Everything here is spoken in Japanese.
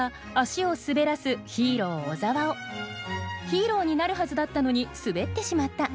ヒーローになるはずだったのに滑ってしまった。